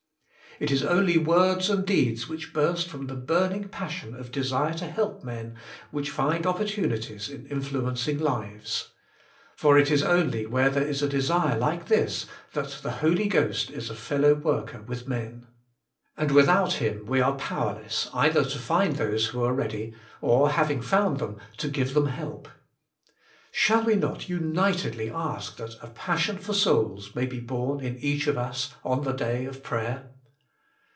It is only words and deeds which burst from the Burning Passion op De sire TO Help Men, which find opportunities of influencing lives. For it is only where there is a desire like this, that the Holy Ghost is a fellow worker with men. And without him we are powerless either to find those who are ready, or having found them, to give them help. Shall we not unitedly ask that A Passion for Souls may be borne in each of us on the day of prayer